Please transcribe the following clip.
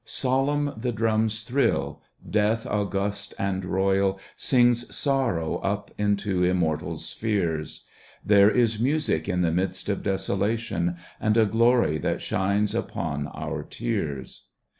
Solemn the drums thrill: Death august and royal Sings sorrow up into immortal spheres. There is music in the midst of desolation And a glory that shines upon our tears.